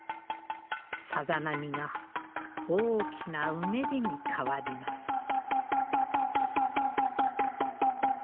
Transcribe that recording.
さざ波が大きなうねりに変わります。